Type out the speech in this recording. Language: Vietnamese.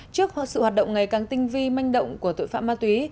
trước sự hoạt động ngày càng tinh vi manh động của tội phạm ma túy